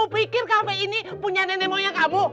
pikir kafe ini punya nenek moyang kamu